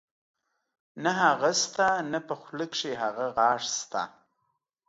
نۀ هغه شته نۀ پۀ خولۀ کښې هغه غاخ شته